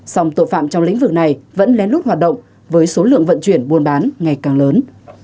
song tội phạm trong lĩnh vực này vẫn lén lút hoạt động với số lượng vận chuyển buôn bán ngày càng lớn